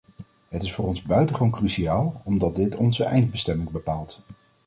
Het is voor ons buitengewoon cruciaal omdat dit onze eindstemming bepaalt.